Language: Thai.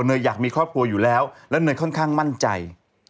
อยากมีครอบครัวอยู่แล้วแล้วเนยค่อนข้างมั่นใจ